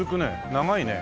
長いね。